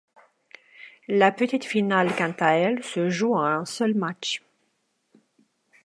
La petite finale quant à elle se joue en un seul match.